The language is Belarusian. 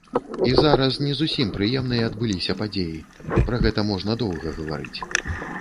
І зараз не зусім прыемныя адбыліся падзеі, пра гэта можна доўга гаварыць.